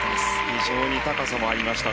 非常に高さもありました。